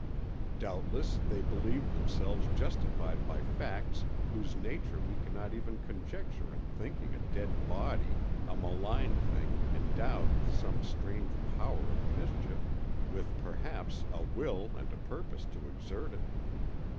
Doubtless they believed themselves justified by facts whose nature we cannot even conjecture in thinking a dead body a malign thing endowed with some strange power of mischief, with perhaps a will and a purpose to exert it.